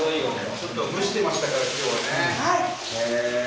ちょっと蒸してましたから今日はね。